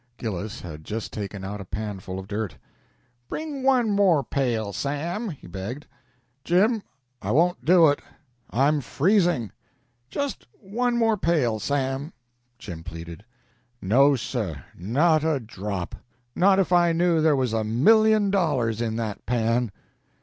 Gillis had just taken out a panful of dirt. "Bring one more pail, Sam," he begged. "Jim I won't do it. I'm freezing." "Just one more pail, Sam!" Jim pleaded. "No, sir; not a drop not if I knew there was a million dollars in that pan."